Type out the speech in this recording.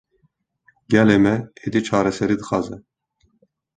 Gelê me, êdî çareserî dixwaze